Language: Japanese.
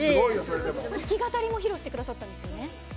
弾き語りも披露してくださったんですよね。